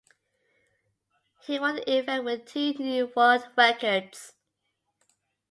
He won the event with two new World Records.